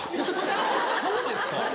そうですか？